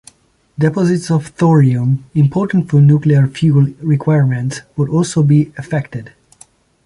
Deposits of thorium, important for nuclear fuel requirements, would also be affected.